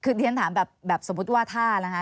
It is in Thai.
ค่ะคือนี่จะถามแบบสมมุติว่าถ้านะคะ